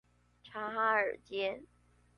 察哈爾街